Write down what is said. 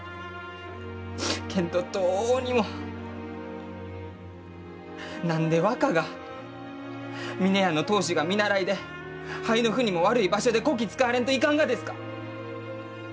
けんどどうにも何で若が峰屋の当主が見習いで肺の腑にも悪い場所でこき使われんといかんがですか！